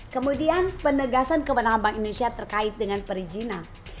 kemudian penegasan kebenaran bank indonesia terkait dengan perizinan